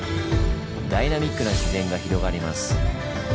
ダイナミックな自然が広がります。